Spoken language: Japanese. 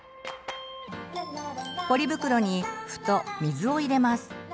ポリ袋に麩と水を入れます。